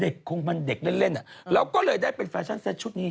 เด็กคงมันเด็กเล่นอะเราก็เลยได้เป็นแฟชั่นเซ็ตชุดนี้ฮะ